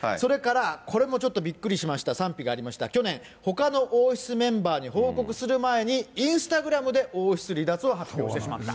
これもちょっとびっくりしました、賛否がありました、去年、ほかの王室メンバーに報告する前に、インスタグラムで王室離脱を発表してしまった。